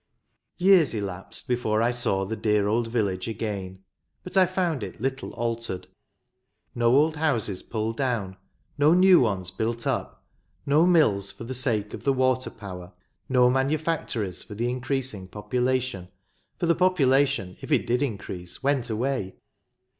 Years elapsed before I saw the dear old village again, but I found it little altered — no old houses pulled down, no new ones built up, no mills, for the sake of the water power, no manufactories for the increasing population ; for the population, if it did increase, went away.